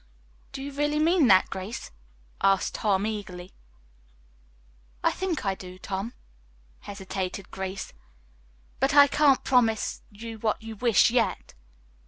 "Do you really mean that, Grace?" asked Tom eagerly. "I think I do, Tom," hesitated Grace, "but I can't promise you what you wish, yet."